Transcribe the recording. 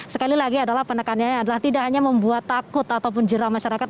sekali lagi adalah penekanannya adalah tidak hanya membuat takut ataupun jerah masyarakat